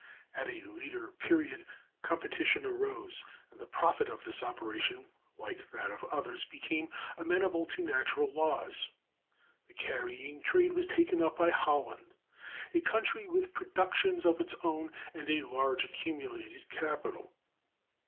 At a later period competition arose, and the profit of this operation, like that of others, became amenable to natural laws. The carrying trade was taken up by Holland, a country with productions of its own and a large accumulated capital.